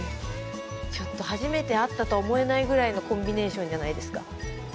ちょっと初めて会ったとは思えないぐらいのコンビネーションじゃないですか。